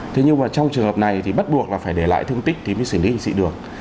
thế nhưng mà trong trường hợp này thì bắt buộc là phải để lại thương tích thì mới xử lý hình sự được